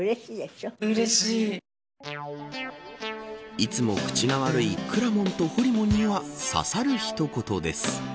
いつも口が悪いくらもんとほりもんには刺さる一言です。